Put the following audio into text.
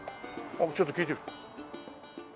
ちょっと聞いてみよう。